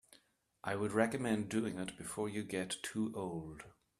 I would recommend doing it before you get too old.